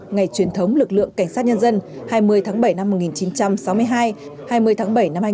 ngày truyền thống lực lượng cảnh sát nhân dân hai mươi tháng bảy năm một nghìn chín trăm sáu mươi hai hai mươi tháng bảy năm hai nghìn hai mươi